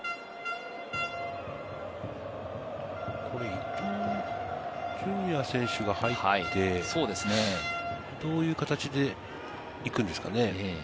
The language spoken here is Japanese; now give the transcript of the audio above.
伊東純也選手が入って、どういう形で行くんですかね？